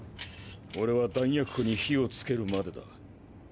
俺は弾薬庫に火をつけるまでだ。